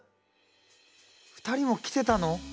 ２人も来てたの！？